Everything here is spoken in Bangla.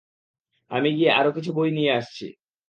আমি গিয়ে আরো কিছু বই নিয়ে আসছি।